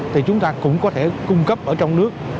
thì chúng ta cũng có thể cung cấp ở trong nước